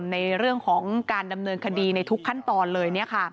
ในเรื่องของการดำเนินคดีในทุกขั้นตอนเลย